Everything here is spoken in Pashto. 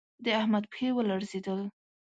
د احمد پښې و لړزېدل